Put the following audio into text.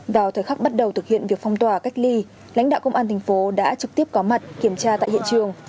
vào thời khắc bắt đầu thực hiện việc phong tỏa cách ly lãnh đạo công an thành phố đã trực tiếp có mặt kiểm tra tại hiện trường